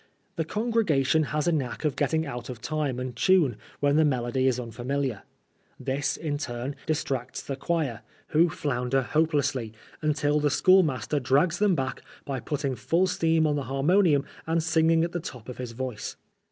The congregation has a knack of getting out of time and tune when the melody is unfamiliar : this, in turn, distracts tiie choir, who flounder hope 120 PRISONER FOR BIiASPHEMY. lesBly, until the schoolmaster drags them back by putting full steam on the harmonium and singing at the top of his voice.